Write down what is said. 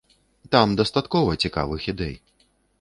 Там дастаткова цікавых ідэй.